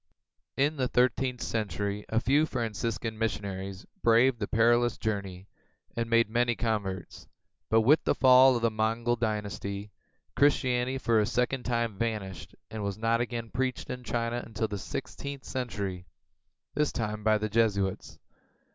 In the thirteenth century a few Franciscan missionaries braved the perilous journey and made many converts, but, with the fall of the Mongol dynasty, Christianity for a second time vanished and was not again preached in China until the sixteenth century, this time by Jesuits.